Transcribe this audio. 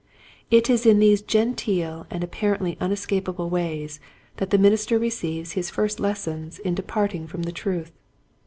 It is in these genteel and apparently unescapable ways that the minister re ceives his first lessons in departing from the truth.